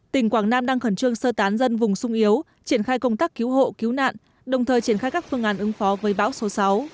tỉnh quảng nam đang khẩn trương sơ tán dân vùng sung yếu triển khai công tác cứu hộ cứu nạn đồng thời triển khai các phương án ứng phó với bão số sáu